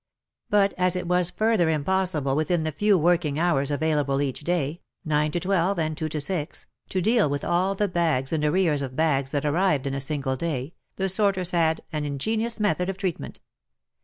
But as it was further impossible, within the few working hours available each day (9 to 12 and 2 to 6), to deal with all the bags and arrears of bags that arrived in a single day, the sorters had an ingenious method of treatment.